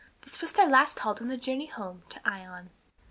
This was their last halt on the journey home to Ion.